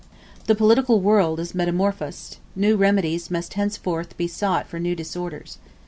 The political world is metamorphosed: new remedies must henceforth be sought for new disorders.